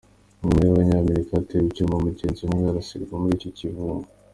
Umwe muri abo banyamerika yatewe icyuma, umugenzi umwe arasirwa muri icyo kivunga.